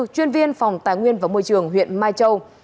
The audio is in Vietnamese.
chuyên viên phòng tài nguyên và môi trường huyện mai châu